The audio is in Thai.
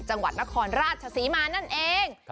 จังหวัดนครราชศรีมานั่นเอง